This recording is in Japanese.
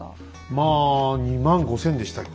まあ２万５，０００でしたっけ？